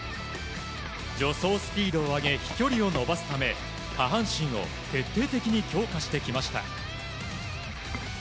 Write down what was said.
助走スピードを上げ飛距離を伸ばすため下半身を徹底的に強化してきました。